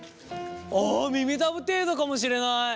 ああ耳たぶ程度かもしれない。